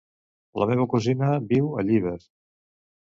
La meva cosina viu a Llíber.